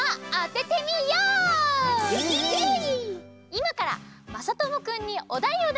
いまからまさともくんにおだいをだします。